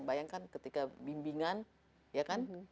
bayangkan ketika bimbingan